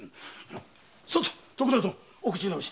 さ徳田殿お口直しに。